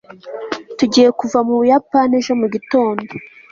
tugiye kuva mu buyapani ejo mu gitondo